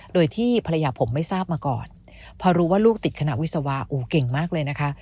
โดยที่ภรรยาผมไม่ทราบมาก่อนพอรู้ว่าลูกติดคณะวิศวาโอ้เก่งมากเลยนะคะ